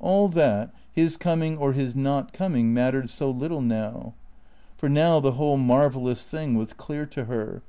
All that, his coming or his not coming, mattered so little now. For now the whole marvellous thing was clear to her.